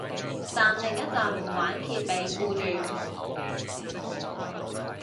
暫停一陣唔玩揭尾故住